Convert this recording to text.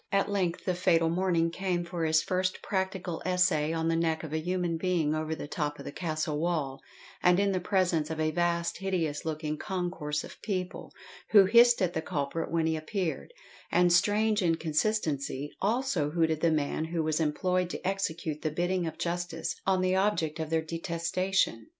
At length the fatal morning came for his first practical essay on the neck of a human being over the top of the castle wall, and in the presence of a vast hideous looking concourse of people, who hissed at the culprit when he appeared; and strange inconsistency, also hooted the man who was employed to execute the bidding of justice on the object of their detestation!